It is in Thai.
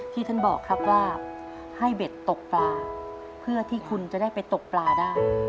ที่ท่านบอกครับว่าให้เบ็ดตกปลาเพื่อที่คุณจะได้ไปตกปลาได้